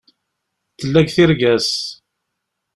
Tella deg tirga-s.